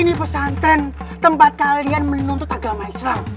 ini pesantren tempat kalian menuntut agama islam